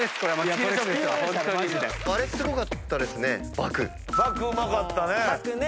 バクうまかったね。